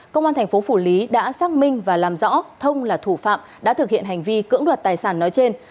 công an thành phố phủ lý đã xác minh và làm rõ thông là thủ phạm đã thực hiện hành vi cưỡng đoạt tài sản nói trên